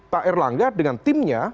pak erlangga dengan timnya